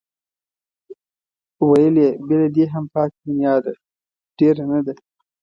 ویل یې بې له دې هم پاتې دنیا ده ډېره نه ده.